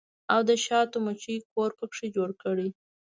او د شاتو مچۍ کور پکښې جوړ کړي